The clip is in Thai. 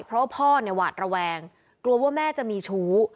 เพราะว่าพ่อในวัดระแวงกลัวว่าแม่มีฉู